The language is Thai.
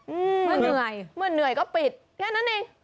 เมื่อเหนื่อยเมื่อเหนื่อยก็ปิดแค่นั้นเอง